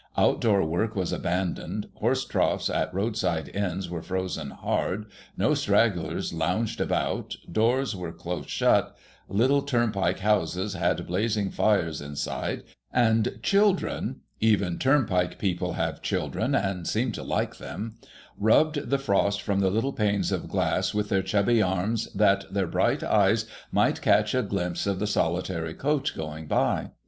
Out door work was abandoned, horse troughs at roadside inns were frozen hard, no stragglers lounged about, doors were close shut, little turnpike houses had blazing fires inside, and children (even turnpike people have children, and seem to like them) rubbed the frost from the little panes of glass with their chubby arms, that their bright eyes might catch a glimpse of the solitary coach going by.